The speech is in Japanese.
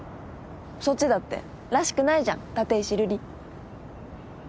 そっちだってらしくないじゃん立石瑠璃。